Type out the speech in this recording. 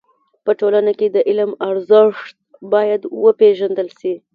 په ټولنه کي د علم ارزښت بايد و پيژندل سي.